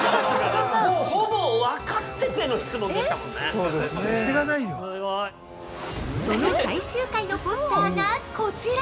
◆その最終回のポスターがこちら！！